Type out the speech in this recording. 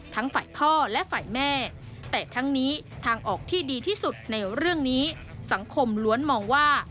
ฝ่ายพ่อและฝ่ายแม่แต่ทั้งนี้ทางออกที่ดีที่สุดในเรื่องนี้สังคมล้วนมองว่า